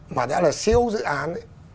mà đã là siêu dự án